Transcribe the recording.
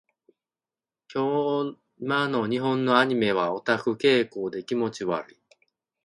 今の日本のアニメはオタク傾向で気持ち悪い。